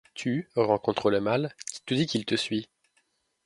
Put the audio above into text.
Tu, rencontres le mal. Qui te dit qu’il te suit ?